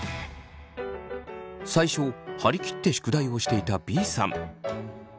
最初張り切って宿題をしていたＢさん。